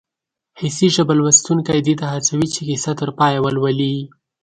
حسي ژبه لوستونکی دې ته هڅوي چې کیسه تر پایه ولولي